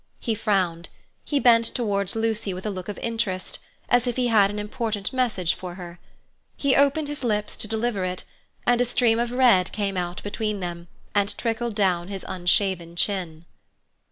He frowned; he bent towards Lucy with a look of interest, as if he had an important message for her. He opened his lips to deliver it, and a stream of red came out between them and trickled down his unshaven chin.